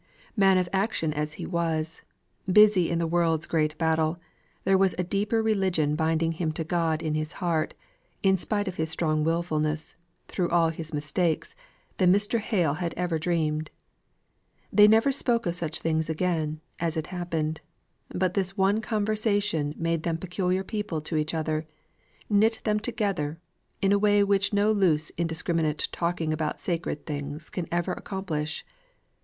Man of action as he was, busy in the world's great battle, there was a deeper religion binding him to God in his heart, in spite of his strong wilfulness, through all his mistakes, than Mr. Hale had ever dreamed. They never spoke of such things again, as it happened; but this one conversation made them peculiar people to each other; knit them together, in a way which no loose indiscriminate talking about sacred things can ever accomplish.